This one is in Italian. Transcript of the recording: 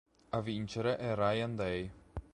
A vincere è Ryan Day.